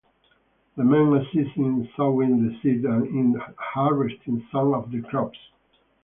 The men assist in sowing the seed and in harvesting some of the crops.